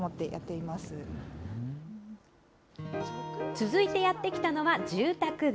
続いてやって来たのは住宅街。